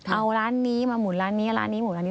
เอาร้านนี้มาหมุนร้านนี้ร้านนี้หมุนร้านนี้